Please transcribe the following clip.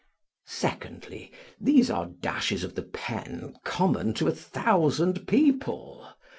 Secondly, these are dashes of the pen common to a thousand people.